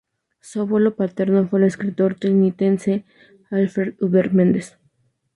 Su abuelo paterno fue el escritor trinitense Alfred Hubert Mendes.